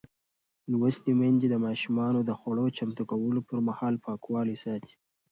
لوستې میندې د ماشومانو د خوړو چمتو کولو پر مهال پاکوالی ساتي.